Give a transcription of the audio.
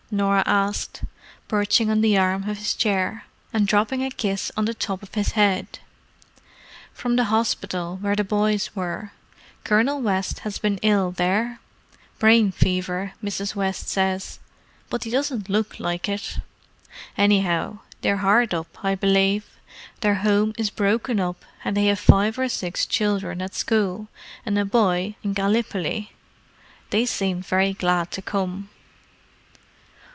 Norah asked, perching on the arm of his chair, and dropping a kiss on the top of his head. "From the hospital where the boys were. Colonel West has been ill there. Brain fever, Mrs. West says, but he doesn't look like it. Anyhow, they're hard up, I believe; their home is broken up and they have five or six children at school, and a boy in Gallipoli. They seemed very glad to come."